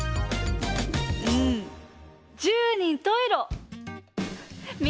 うん十人十色。